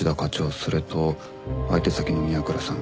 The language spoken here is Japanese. それと相手先の宮倉さん